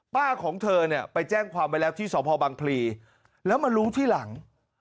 ของเธอเนี่ยไปแจ้งความไว้แล้วที่สพบังพลีแล้วมารู้ที่หลัง